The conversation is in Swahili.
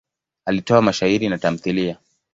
Alitoa mashairi na tamthiliya.